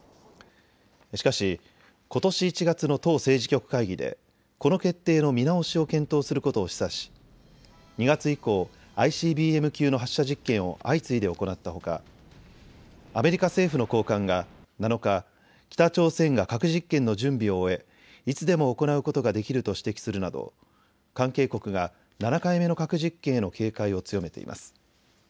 しかしことし１月の党政治局会議でこの決定の見直しを検討することを示唆し２月以降、ＩＣＢＭ級の発射実験を相次いで行ったほかアメリカ政府の高官が７日、北朝鮮が核実験の準備を終えいつでも行うことができると指摘するなど関係国が７回目の核実験への警戒を強めています。